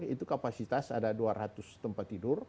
itu kapasitas ada dua ratus tempat tidur